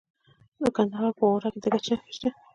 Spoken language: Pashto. د کندهار په غورک کې د ګچ نښې شته.